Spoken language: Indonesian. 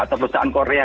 atau perusahaan korea